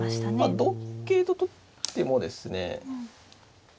同桂と取ってもですね。